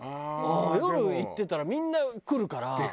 夜行ってたらみんな来るから。